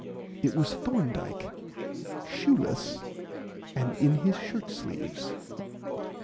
It was Thorndyke, shoeless, and in his shirt sleeves.